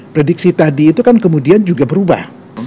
prediksi tadi itu kan kemudian juga berubah